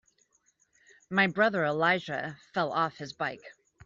My brother Elijah fell off his bike.